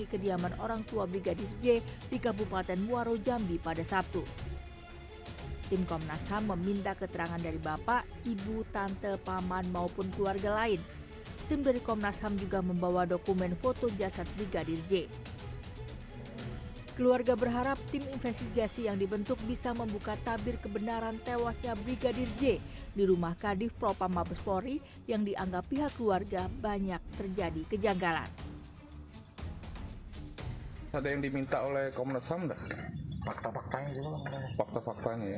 keperluan ayah brigadir j ke jakarta